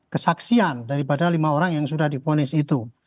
kesaksian daripada lima orang yang sudah diponis itu